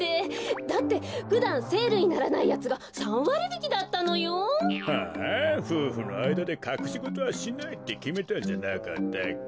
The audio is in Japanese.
だってふだんセールにならないやつが３わりびきだったのよ。はあふうふのあいだでかくしごとはしないってきめたんじゃなかったっけ？